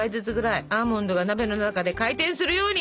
アーモンドが鍋の中で回転するように！